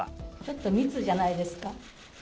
ちょっと密じゃないですか。